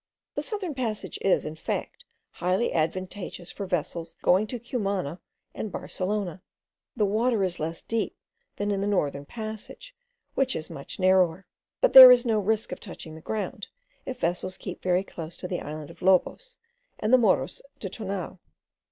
The southern passage is, in fact, highly advantageous for vessels going to Cumana and Barcelona. The water is less deep than in the northern passage, which is much narrower; but there is no risk of touching the ground, if vessels keep very close to the island of Lobos and the Moros del Tunal.